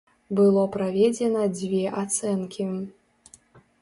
Было праведзена дзве ацэнкі.